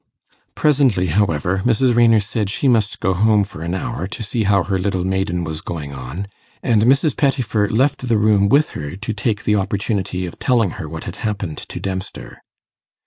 Presently, however, Mrs. Raynor said she must go home for an hour, to see how her little maiden was going on, and Mrs. Pettifer left the room with her to take the opportunity of telling her what had happened to Dempster.